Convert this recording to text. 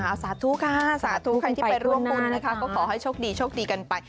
เอาสาธุค่ะสาธุใครที่ไปร่วมบุญนะคะก็ขอให้โชคดีโชคดีกันไป